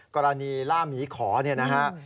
กรณีล่าหมีขอเนี่ยนะฮะ